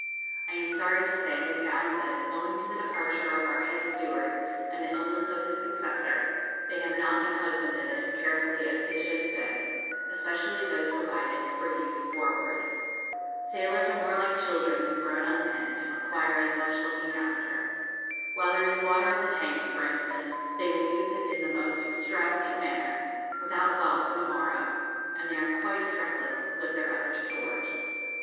I am sorry to say we found that, owing to the departure of our head steward and the illness of his successor, they have not been husbanded as carefully as they should have been, especially those provided for use forward. Sailors are more like children than grown up men, and require as much looking after. While there is water in the tanks, for instance, they will use it in the most extravagant manner, without thought for the morrow; and they are quite as reckless with their other stores.